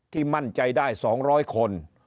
มั่นใจได้๒๐๐คน